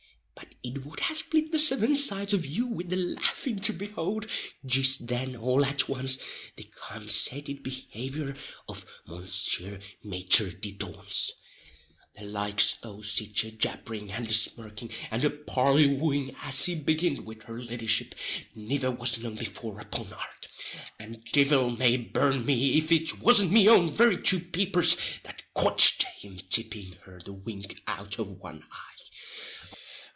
But it would ha split the seven sides of you wid the laffin' to behould, jist then all at once, the consated behavior of Mounseer Maiter di dauns. The likes o' sich a jabbering, and a smirking, and a parley wouing as he begin'd wid her leddyship, niver was known before upon arth; and divil may burn me if it wasn't me own very two peepers that cotch'd him tipping her the wink out of one eye.